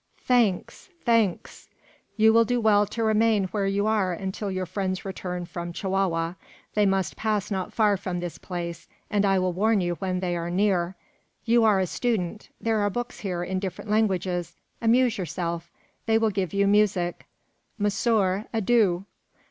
"Thanks! thanks!" "You will do well to remain where you are until your friends return from Chihuahua. They must pass not far from this place, and I will warn you when they are near. You are a student. There are books here in different languages. Amuse yourself. They will give you music. Monsieur, adieu!"